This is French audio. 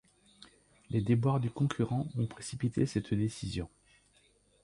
Les déboires du concurrent ont précipité cette décision.